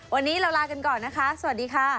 วันนี้เราลากันก่อนนะคะสวัสดีค่ะ